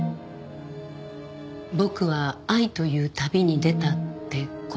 「僕は愛という旅に出た」ってコピー。